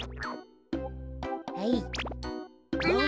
はい。